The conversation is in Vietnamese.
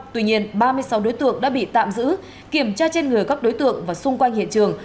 tuy nhiên ba mươi sáu đối tượng đã bị tạm giữ kiểm tra trên người các đối tượng và xung quanh hiện trường